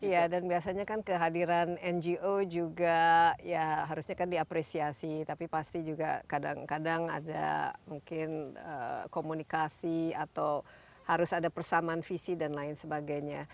ya dan biasanya kan kehadiran ngo juga ya harusnya kan diapresiasi tapi pasti juga kadang kadang ada mungkin komunikasi atau harus ada persamaan visi dan lain sebagainya